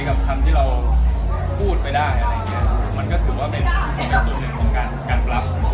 กับคำที่เราพูดไปได้มันก็คือว่าเป็นศูนย์ที่คุณการกลับ